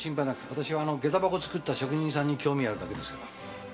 私はあの下駄箱作った職人さんに興味あるだけですから。